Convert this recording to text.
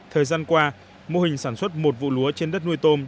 thời gian qua mô hình sản xuất một vụ lúa trên đất nuôi tôm